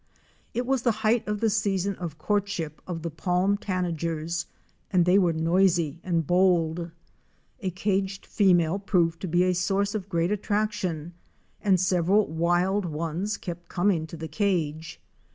It was the height of the season of courtship of the Palm * and they were noisy and bold. A caged fe male proved to be a source of great attraction and several wild ones kept coming to the cage.